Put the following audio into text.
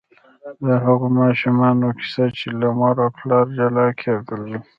د هغو ماشومانو کیسه چې له مور او پلار جلا کېدل.